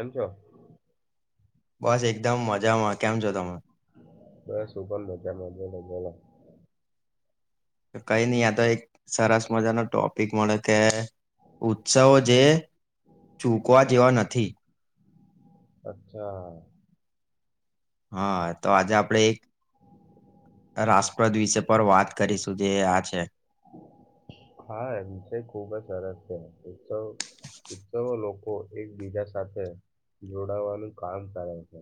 ત છો બસ એકદમ મજામાં કેમ છો તમે તો શભંધ ન ત્યા મા લ કઈ નહ આયા તો એક સરસ મજાનો ટોપિક મળે કે ઉત્સવો જે ચૂકવા જેવા નથી અચ્છા હા તો આજે આપડે એક રાષ્ટ્રપ્રદ વિશે પર વાત કરીશું જે આ છે હા વિષય ખુબ જ સરસ છે ઉત્સવ ઉત્સવો લોકો એકબીજા સાથે જોડાવાનું કામ કરે છે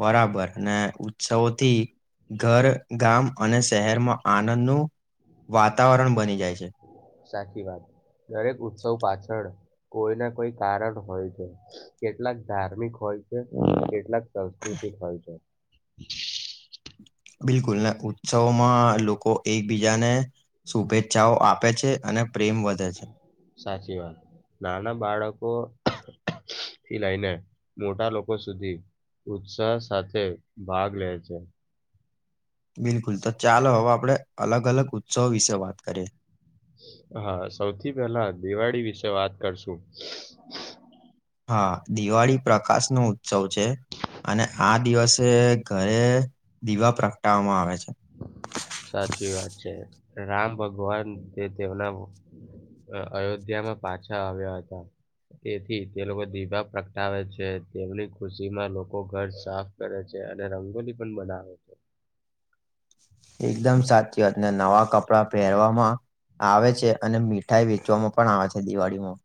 બરાબર અને ઉત્સવોથી ઘર ગામ અને શહેરમાં આનંદનું વાતાવરણ બની જાય છે સાચી વાત દરેક ઉત્સવ પાછળ કોઈ ના કોઈ કારણ હોય છે કેટલાક ધાર્મિક હોય કેટલાક સંસ્કૃતિક હોય છે બિલકુલ ઉત્સવમાં લોકો એકબીજાને શુભેચ્છાઓ આપે પે છે અને પ્રેમ વધે છે સાચી વાત, નાના બાળકો થી લઈને મોટા લોકો સુધી ઉત્સાહ સાથે ભાગ લે છે. બિલકુલ, તો ચાલો હવે આપણે અલગ અલગ ઉત્સવો વિશે વાત કરીએ. હા, સૌથી પેલા દિવાળી વિશે વાત કરશું. હા, દિવાળી પ્રકાશનો ઉત્સવ છે. અને આ દિવસે ઘરે દીવા પ્રગટાવામાં આવે છે. સાચી વાત છે. રામ ભગવાન તે તેવના અ અયોધ્યામાં પાછા આવ્યા હતા. તેથી તે લોકો દીભા પ્રગટાવે છે, તેમની ખુશીમાં લોકો ઘર સાફ કરે છે અને રંગોલી પણ બનાવે છે. એકદમ સાચી વાત ને નવા કપડાં પહેરવામાં આવે છે અને મીઠાઈ વેચવામાં પણ આવે છે દિવાળીમાં.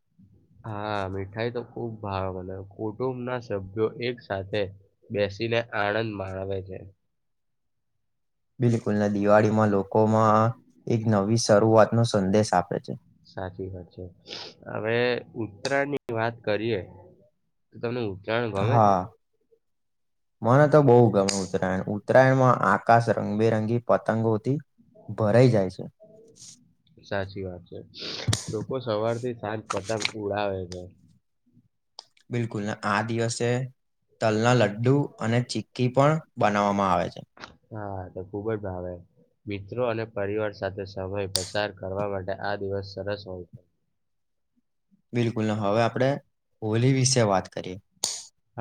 હા, મીઠાઈ તો ખુબ ભાવે મને. કુટુંબના સભ્યો એક સાથે બે સીને આનંદ માણવે છે. બિલકુલ ને દિવાળીમાં લોકોમાં એક નવી શરૂઆતનો સંદેશ આપે છે. સાચી વાત છે. હવે ઉત્તરાયણની વાત કરીએ. તમને ઉત્તરાયણ ગમે છે? હા, મને તો બોવ ગમે ઉત્તરાયણ. ઉત્તરાયણમાં આકાશ રંગબેરંગી પતંગોથી ભરાઈ જાય છે. સાચી વાત છે. લોકો સવારથી સાંજ પતંગ ઉડાવે છે. બિલકુલ ને આ દિવસે તલના લડ્ડુ અને ચિક્કી પણ બનાવામાં આવે છે. હા, તો ખુબ જ ભાવે. મિત્રો અને પરિવાર સાથે સમય પસાર કરવા માટે આ દિવસ સરસ હોય છે. બિલકુલ ને હવે આપણેે હોલી વિશે વાત કરીએ.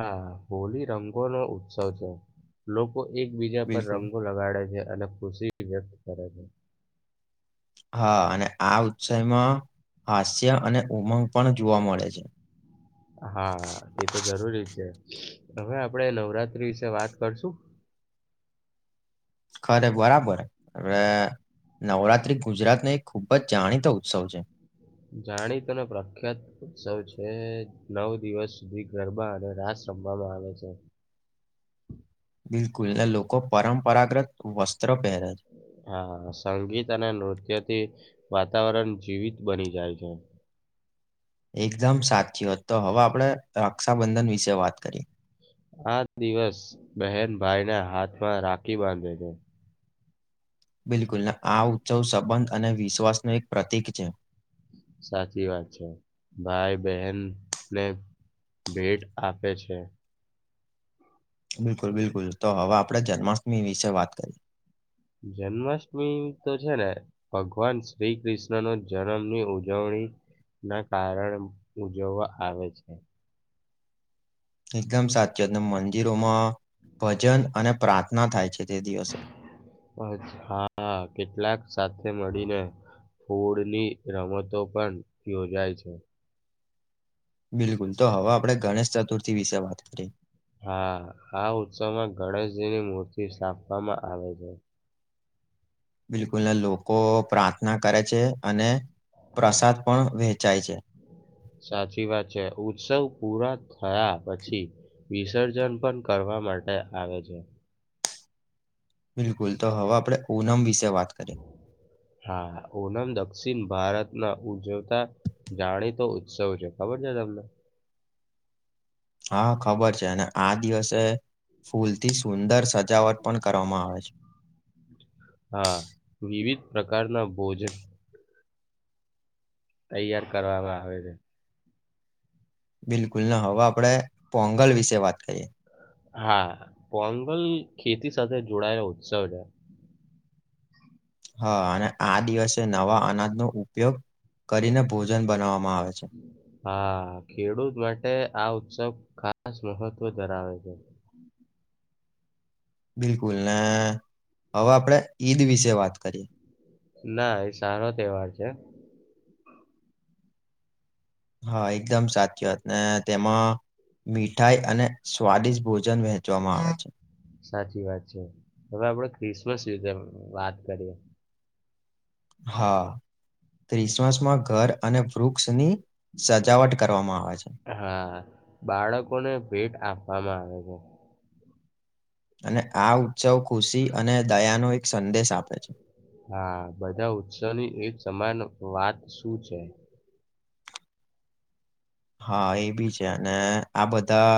હા, હોલી રંગોનો ઉત્સવ છે. લોકો એકબીજા પર બિલકુલ રંગો લગાડે છે અને ખુશી વ્યક્ત કરે છે. હા, અને આ ઉત્સયમાં હાસ્ય અને ઉમંગ પણ જુવા મળે છે. હા એ તો જરૂરી છે. હવે આપડે નવરાત્રી વિશે વાત કરશું. ખરે બરાબર હવે નવરાત્રી ગુજરાતનો એક ખૂબ જ જાણીતો ઉત્સવ છે. જાણીતો અને પ્રખ્યાત ઉત્સવ છે. નવ દિવસ સુધી ગરબા અને રાસ રમવામાં આવે છે. બિલકુલ ને લોકો પરંપરાગ્રત વસ્ હા, સંગીત અને નૃત્ય થી વાતાવરણ જીવિત બની જાય છે. એકદમ સાચી વાત. તો હવે આપણે રક્ષાબંધન વિશે વાત કરીએ. આ દિવસ બહેન ભાઈના હાથમાં રાખી બાંધે છે. બિલકુલ ને આ ઉત્સવ સંબંધ અને વિશ્વાસનું એક પ્રતિક છે. સાચી વાત છે. ભાઈ બહેન ને ભેટ આપે છે. બિલકુલ બિલકુલ. તો હવે આપણે જન્માષ્ટમી વિશે વાત કરી. જન્માષ્ટમી તો છે ને, ભગવાન શ્રી કૃષ્ણનો જનમની ઉજવણી ના કારણ ઉજવવા આવે છે. એકદમ સાચી વાત ને મંદિરોમાં ભજન અને પ્રાર્થના થાય છે. તે દિવસે ભજ હા, કેટલાક સા મળીને ફોળની રમતો પણ યોજાય છે. બિલકુલ તો હવે આપણે ગણેશ ચતુર્થી વિશે વાત કરીએ હા આ ઉત્સવમાં ગણેશજી ની મૂર્તિ સ્થાપવામાં આવે છે. બિલકુલને લોકો પ્રાર્થના કરે છે અને પ્રસાદ પણ વહેંચાય છે. સાચી વાત છે ઉત્સવ પૂરા થયા પછી વિસર્જન પણ કરવા માટે આવે છે. બિલકુલ તો હવે આપડણે ઓનમ વિશે વાત કરીએ હા ઓ ઓનમ દ દક્ષિણ ભારતના ઉજવતા જાણીતો ઉત્સવ છે ખબર છે તમને હા ખબર છે અને આ દિવસે ફૂલથી સુંદર સજાવટ પણ કરવામાં આવે છે. હા વિવિધ પ્રકારના ભોજન તૈયાર કરવા આવે છે. બિલકુલ ને હવે આપણે પોંગલ વિશે વાત કરીએ હા પોંગલ ખેતી સાથે જોડાયેલા ઉત્સવ છે. હા અને આ દિવસે નવા અનાજનો ઉપયોગ કરીને ભોજન બનાવવામાં આવે છે હા ખેડૂત માટે આ ઉત્સવ ખાસ મહત્વ ધરાવે છે. બિલકુલ ને હવે આપણેે ઈદ વિશે વાત કરીએ ના એ સારો તહેવાર છે. હા એકદમ સાચી વાત ને તેમાં મીઠાઈ અને સ્વાદિષ્ટ ભોજન વહેંચવામાં આવે છે. સાચી વાત છે હવે આપણેે ક્રિસમસ વીશે વાત કરીએ હા ક્રિસમસમાં ઘર અને વૃક્ષની સજાવટ કરવામાં આવે છે. હા બાળકોને ભેટ આપવામાં આવે છે. અને આ ઉત્સવ ખુશી અને દયાનો એક સંદેશ આપે છે. હા, બધા ઉત્સવની એ સમાન વાત શું છે? હા, એ બી છે અને આ બધા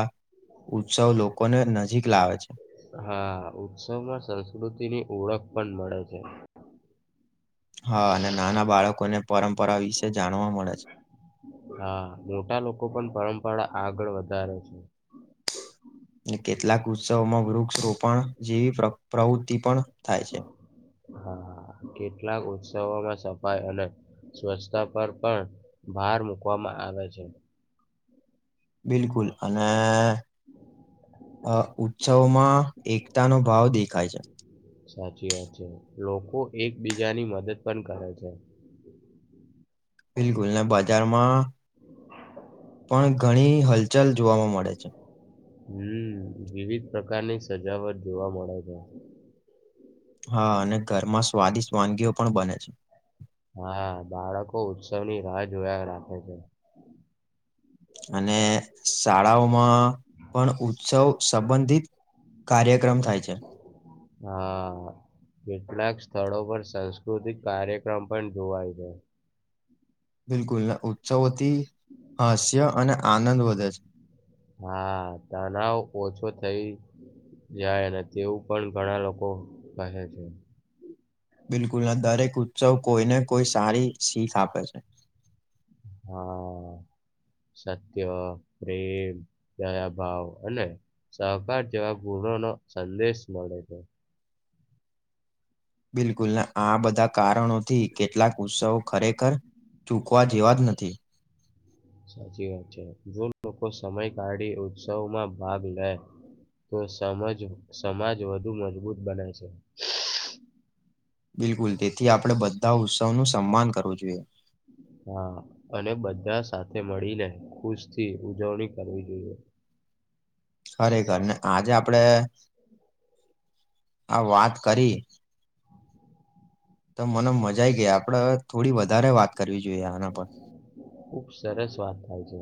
ઉત્સવ લોકોને નજીક પેલા આવે છે. હા, ઉત્સવમાં સંસ્કૃતિની ઓળખ પણ મળે છે. હા, અને નાના બાળકોને પરંપરા વિશે જાણવા મળે છે. હા, મોટા લોકો પણ પરંપરા આગળ વધારે છે. કેટલાક ઉત્સવોમાં વૃક્ષ રોપણ જેવી પ્રવૃ હા, કેટલાક ઉત્સવોમાં સફાઈ અને સ્વચ્છતા પર પણ ભાર મુૂકવામાં આવે છે. બિલકુલ. અને ઉત્સવોમાં એકતાનો ભાવ દેખાય છે. સાચી વાત છે. લોકો એકબીજાની મદદ પણ કરે છે. બિલકુલને, બજારમાં પણ ઘણી હલચલ જોવાવામાં મળે છે હમ, વિવિધ પ્રકારની સજાવટ જોવા મળે છે. હા અને ઘરમાં સ્વાદિષ્ટ વાનગીઓ પણ બને છે. હા, બાળકો ઉત્સવની રાહ જોયા રાખે છે. અને શાળાઓમાં પણ ઉત્સવ સંબંધિત કાર્ય હા, કેટલાક સ્થળો પર સાંસ્કૃતિક કાર્યક્રમ પણ જોવાય જાય છે. બિલકુલ. ઉત્સવોથી, હાસ્ય અને આનંદ વધે છે. હા, તણાવ ઓછો થઈ. જાય અને તેવું પણ ઘણા લોકો કહે છે. બિલકુલના દરેક ઉત્સવ કોઈને કોઈ સારી શીખ આપે છે. હા. સત્ય, પ્રેમ, દયા ભાવ અને સહકાર જેવા ગુણોનો સંદેશ મળે છે. બિલકુલને આ બધા કારણોથી કેટલાક ઉત્સવો ખરેખર ચૂકવા જેવા જ નથી સાચી વાત છે, જો લોકો સમય કાઢી ઉત્સવમાં ભાગ લે તો સમજ સમાજ વધુ મજબૂત બને છે. બિલકુલ તેથી આપણે બધા ઉત્સવનું સન્માન કરવું જોઈએ. હા, અને બધા સાથે મળીને ખુશથી ઉજવણી કરવી જોઈએ. હ [unintelligible] ખરેખરને આજે આપણે આ વાત કરી તો મને મજાઈ ગઈ આપડે થોડી વધારે વાત કરવી જોઈએ આના પર ખુબ સરસ વાત થાય છે.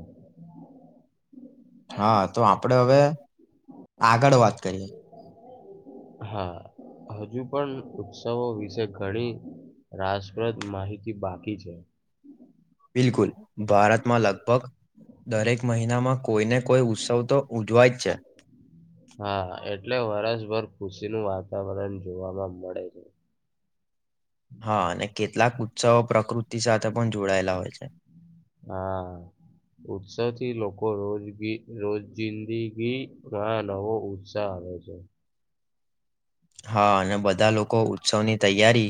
હા તો આપડે હવે આગળ વાત કરીએ. હા હજુ પણ ઉત્સવો વિશે ઘણી રાસપ્રદ માહિતી બાકી છે. બિલકુલ ભારતમાં લગભગ દરેક મહિનામાં કોઈને કોઈ ઉત્સવ તો ઉજવાય જ છે. હા એટલે વરસભર ખુશીનું વાતાવરણ જોવામાં મળે છે. હા, અને કેટલાક ઉત્સવો પ્રકૃતિ સાથે પણ જોડાયેલા હોય છે. હા. ઉત્સાહથી લોકો રોજગી રોજિંદગીમાં નવો ઉત્સાહ આવે છે. હા અને બધા લોકો ઉત્સવની તૈયારી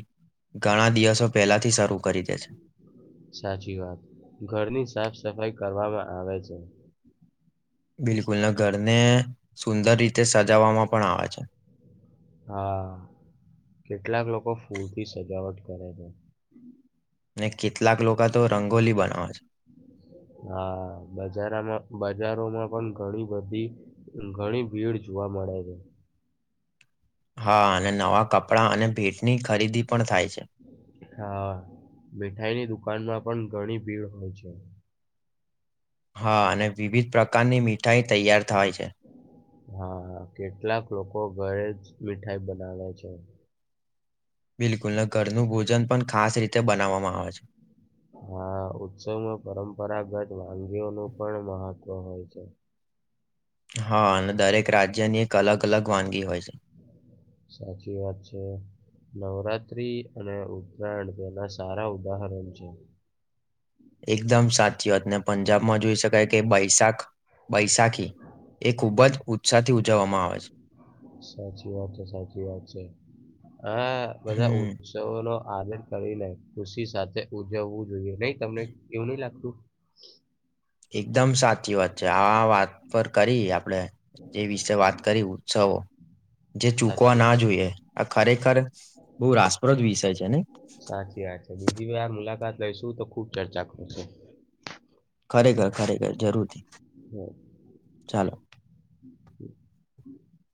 ઘણા દિવસો પહેલાથી શરૂ કરી દે છે સાચી વાત ઘરની સાફ સફાઈ કરવામાં આવે છે. બિલકુલને ઘરને સુંદર રીતે સજાવવામાં પણ આવે છે. હા કેટલાક લોકો ફૂલથી સજાવટ કરે છે. ને કેટલાક લોકો તો રંગોલી બનાવે છે. હા બજારામાં બજારોમાં પણ ઘણી બધી ઘણી ભીડ જોવા મળે છે. હા અને નવા કપડાં અને ભેટની ખરીદી પણ થાય છે. હા મીઠાઈની દુકાનમાં પણ ઘણી ભીડ હોય છે. હા અને વિવિધ પ્રકારની મીઠાઈ તૈયાર થાય છે. હા કેટલાક લોકો ઘરે જ મીઠાઈ બનાવે છે. બિલકુલ ને ઘરનું ભોજન પણ ખાસ રીતે બનાવવામાં આવે છે. હા ઉત્સવમાં પરંપરાગત વાનગીઓનુ પણ મહત્વ હોય છે. હા અને દરેક રાજ્યની એક અલગ અલગ વાનગી હોય છે. સાચી વાત છે. નવરાત્રી અને ઉત્તરાયણ તેના સારા ઉદાહરણ છે. એકદમ સાચી વાત ને પંજાબમાં જોઈ શકાય કે બૈશાખ બૈશાખી એ ખૂબ જ ઉત્સાહથી ઉજવવામાં આવે છે. સાચી વાત છે, સાચી વાત છે, હા બધા હમ ઉત્સવોનો આદર કરીને ખુશી સાથે ઉજવવું જોઈએ નહી તમને એવું નહી લાગતું? એકદમ સાચી વાત છે, આ વાત પર કરી આ પણે જે વિશે વાત કરી ઉત્સવો જે ચૂકવા સાચી ના જોઈએ આ ખરેખર બો રાસપ્રદ વિષય છે નય? સાચી વાત છે બીજી મુલાકાત લઈશું તો ખુબ ચર્ચા કરશુ. ખરેખર ખરેખર જરૂરથી ચાલો. હમ [inaudible]